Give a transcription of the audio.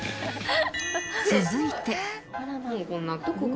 続いて